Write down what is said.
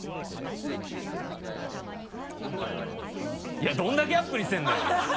いやどれだけアップにしてるんだよ。